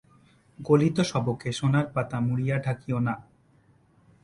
গলিত শবকে সোনার পাত মুড়িয়া ঢাকিও না।